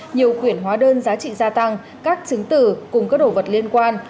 nhiều quyển hóa đơn giá trị gia tăng các chứng tử cùng các đồ vật liên quan